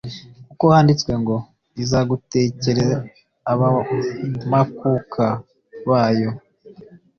kuko handitswe ngo: Izagutegekera abamakuka bayo,